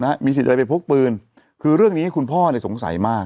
มีสิทธิ์อะไรไปพกปืนคือเรื่องนี้คุณพ่อเนี่ยสงสัยมาก